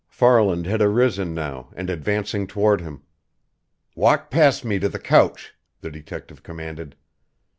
Farland had arisen now, and advancing toward him. "Walk past me to the couch!" the detective commanded.